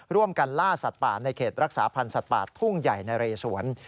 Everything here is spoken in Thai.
ร่วมกันล่าสัตว์ป่าในเขตรักษาพันธ์สัตว์ป่าทุ่งใหญ่นะเรสวน